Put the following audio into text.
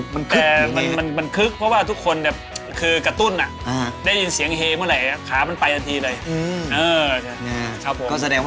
มันมีพลังอย่างนั้นจริง